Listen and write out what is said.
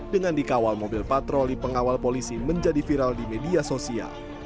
dengan dikawal mobil patroli pengawal polisi menjadi viral di media sosial